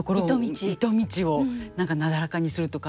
糸道を何かなだらかにするとか。